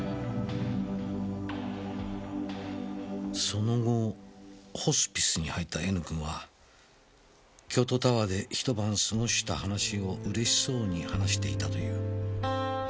「その後ホスピスに入ったＮ君は京都タワーで一晩過ごした話を嬉しそうに話していたという」